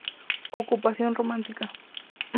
Ocupación romana.